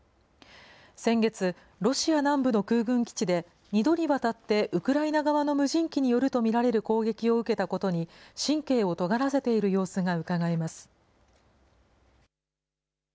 先月、ロシア南部の空軍基地で、２度にわたってウクライナ側の無人機によると見られる攻撃を受けたことに、神経をとがらせている様子がうかがえます。